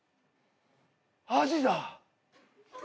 アジだ。